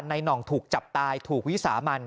หน่องถูกจับตายถูกวิสามัน